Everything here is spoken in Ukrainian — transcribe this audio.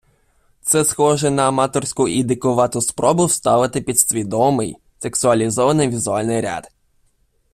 Це схоже на аматорську і дикувату спробу вставити підсвідомий, сексуалізований візуальний ряд.